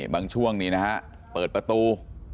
ช่วงนี้นะฮะเปิดประตู